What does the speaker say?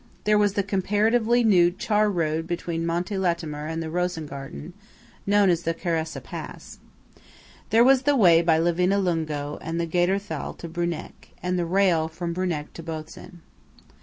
There was the comparatively new char road between Monte Latemar and the Rosengarten, known as the Caressa pass. There was the way by Livinallungo and the Gader Thal to Bruneck, and the rail, from Bruneck to Botzen.